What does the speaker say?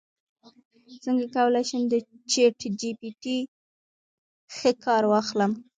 څنګه کولی شم د چیټ جی پي ټي ښه کار واخلم